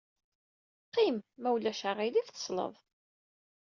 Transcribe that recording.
Qqim, ma ulac aɣilif, tesleḍ.